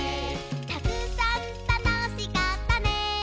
「たくさんたのしかったね」